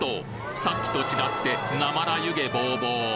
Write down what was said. さっきと違ってなまら湯気ボーボー！